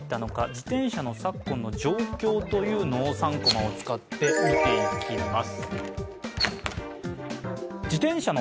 自転車の昨今の状況というのを３コマを使って見ていきます。